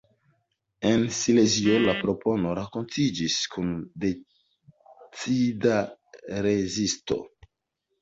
En Silezio la propono renkontiĝis kun decida rezisto.